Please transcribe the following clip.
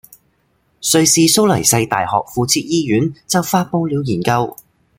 瑞士蘇黎世大學附設醫院就發佈了研究